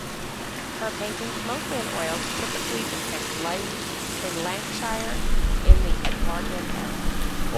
Her paintings, mostly in oils, typically depict life in Lancashire in the Edwardian era.